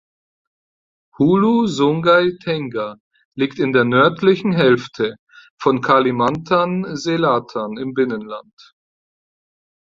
Hulu Sungai Tengah liegt in der nördlichen Hälfte von Kalimantan Selatan im Binnenland.